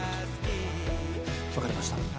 分かりました。